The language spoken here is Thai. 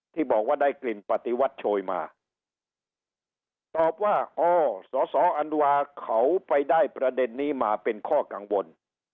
ที่บอกว่าได้กลิ่นปฏิวัติโชยมาตอบว่าอ๋อสอสออันวาเขาไปได้ประเด็นนี้มาเป็นข้อกังวล